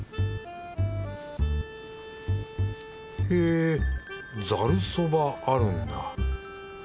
へぇざるそばあるんだ。